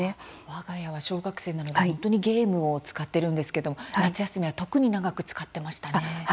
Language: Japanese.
わが家は小学生なので本当にゲームを使っているんですけれども夏休みは特に長く使ってましたね。